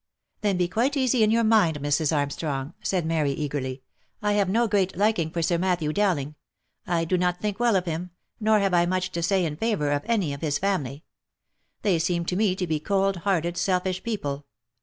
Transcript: "Then be quite easy in your mind, Mrs. Armstrong," said Mary, eagerly. u I have no great liking for Sir Matthew Dowling. I do not think well of him, nor have I much to say in favour of any of his family. They seem to me to be cold hearted, selfish people.